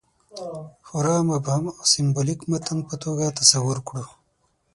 خورا مبهم او سېمبولیک متن په توګه تصور کړو.